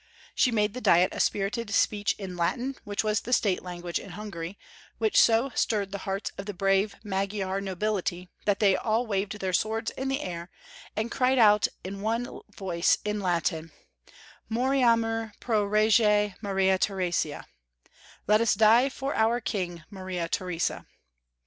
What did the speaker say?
She made the diet a spirited speech in Latin, which was the state language in Hungary, which so stirred the hearts of the brave Magyar nobility, that they all waved their swords in the air, and cried out in one voice in Latin —^' Mbriamur pro reffCy Maria Theresia " (Let us die for our King, Maria Theresa).